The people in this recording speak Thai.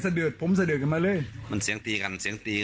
เดือดผมสะดือดกันมาเลยมันเสียงตีกันเสียงตี